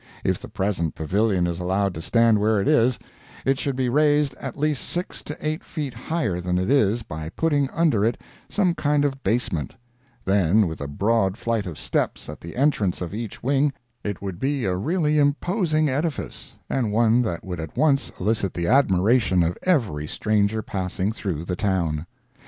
If the present Pavilion is allowed to stand where it is, it should be raised at least six to eight feet higher than it is by putting under it some kind of basement; then, with a broad flight of steps at the entrance of each wing, it would be a really imposing edifice, and one that would at once elicit the admiration of every stranger passing through the town.